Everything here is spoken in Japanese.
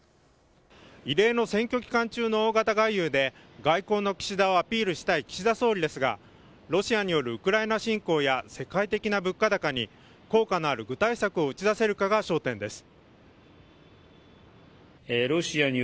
異例の選挙期間中の大型外遊で、外交の岸田をアピールしたい岸田総理ですがロシアによるウクライナ侵攻や世界的な物価高に効果のある具体策を打ち出せるかが焦点です。